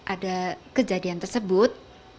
ada kejadian tersebut